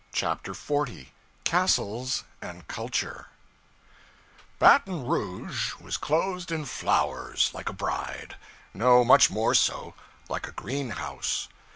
CHAPTER 40 Castles and Culture BATON ROUGE was clothed in flowers, like a bride no, much more so; like a greenhouse.